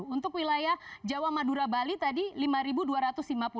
untuk wilayah jawa madura bali tadi rp lima dua ratus lima puluh